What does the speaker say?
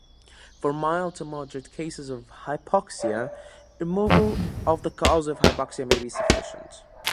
For mild-to-moderate cases of hypoxia, removal of the cause of hypoxia may be sufficient.